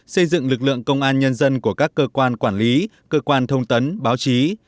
xây dựng lực lượng công an nhân dân của các cơ quan quản lý cơ quan thông tấn báo chí